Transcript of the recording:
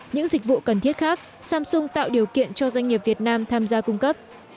những dịch vụ cần thiết khác samsung tạo điều kiện cho doanh nghiệp việt nam tham gia cung cấp